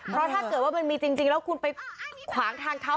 เพราะถ้าเกิดว่ามันมีจริงแล้วคุณไปขวางทางเขา